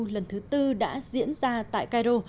lần thứ tư đã diễn ra tại cairo